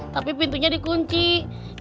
tapi pintunya dikunjungi